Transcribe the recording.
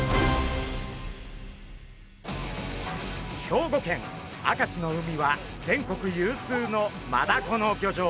兵庫県明石の海は全国有数のマダコの漁場。